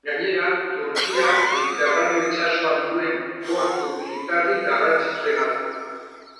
Gainera, Turkiak Mediterraneo itsasoan duen portu militarrik garrantzitsuena da.